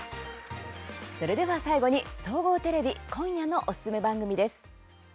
それでは最後に、総合テレビ今夜のおすすめ番組です。